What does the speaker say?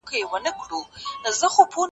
او څه یې باید